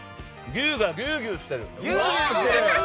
牛がぎゅうぎゅうしてる。